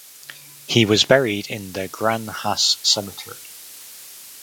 He was buried in the Gran Jas cemetery.